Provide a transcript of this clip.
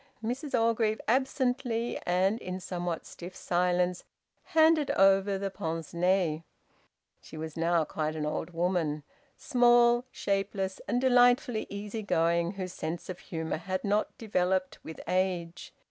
Mrs Orgreave absently and in somewhat stiff silence handed over the pince nez! She was now quite an old woman, small, shapeless, and delightfully easy going, whose sense of humour had not developed with age.